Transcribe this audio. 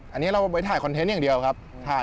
อันนี้เราไปถ่ายคอนเทนต์อย่างเดียวครับ